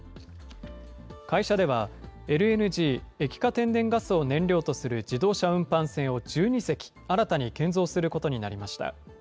会社では、ＬＮＧ・液化天然ガスを燃料とする自動車運搬船を１２隻、新たに建造することになりました。